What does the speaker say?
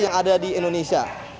yang ada di indonesia